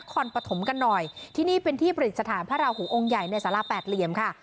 ชายศรีจังหวัดนครปฐมกันหน่อยที่นี่เป็นที่ประสิทธิ์สถานพระราหูองค์ใหญ่ในสาระแปดเหลี่ยมค่ะ